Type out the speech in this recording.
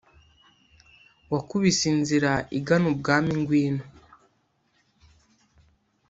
wakubise inzira igana ubwami ngwino